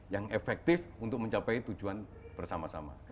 yang efektif untuk mencapai tujuan bersama sama